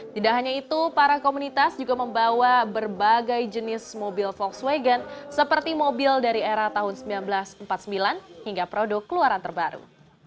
tidak hanya itu para komunitas juga membawa berbagai jenis mobil volkswagen seperti mobil dari era tahun seribu sembilan ratus empat puluh sembilan hingga produk keluaran terbaru